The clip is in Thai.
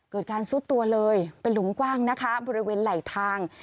เกิดการซุดตัวเลยเป็นหลุมกว้างนะคะบริเวณไหลทาง